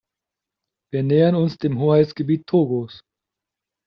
Wir nähern uns dem Hoheitsgebiet Togos.